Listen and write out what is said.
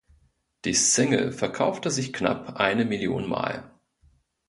Die Single verkaufte sich knapp eine Million Mal.